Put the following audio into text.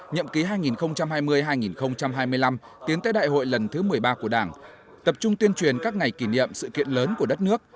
nhậm ký hai nghìn hai mươi hai nghìn hai mươi năm tiến tới đại hội lần thứ một mươi ba của đảng tập trung tuyên truyền các ngày kỷ niệm sự kiện lớn của đất nước